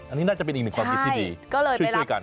อันนี้น่าจะเป็นอีกหนึ่งความคิดที่ดีก็เลยช่วยกัน